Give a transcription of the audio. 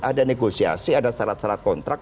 ada negosiasi ada syarat syarat kontrak